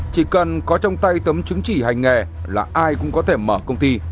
chỉ cần có trong tay cấm chứng chỉ hành nghề là ai cũng có thể mở công ty